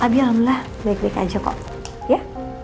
tapi alhamdulillah baik baik aja kok ya